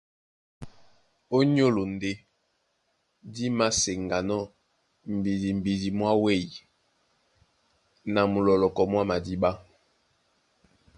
Ó nyólo ndé dí māseŋganɔ́ mbidimbidi mwá wéá na mulɔlɔkɔ mwá madíɓá.